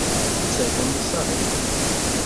Second Sight